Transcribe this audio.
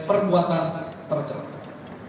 dan perbuatan tercerah